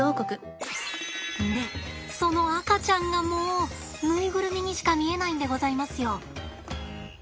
でその赤ちゃんがもうぬいぐるみにしか見えないんでございますよ。